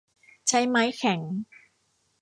ใช้ไม้แข็ง